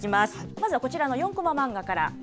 まずはこちらの４コマ漫画から。